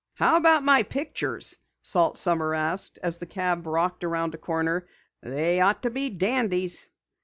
"How about my pictures?" Salt Sommers asked, as the cab rocked around a corner. "They ought to be dandies."